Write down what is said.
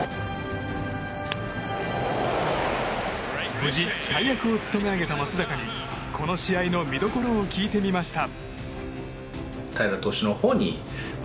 無事、大役を務めあげた松坂にこの試合の見どころを聞いてみました。